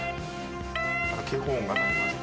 警報音が鳴りました。